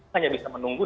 hanya bisa menunggu dan